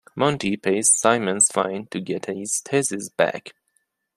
Monty pays Simon's fine to get his thesis back.